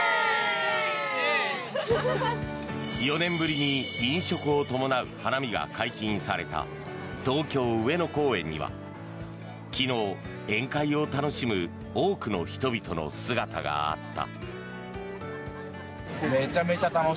４年ぶりに飲食を伴う花見が解禁された東京・上野公園には昨日、宴会を楽しむ多くの人々の姿があった。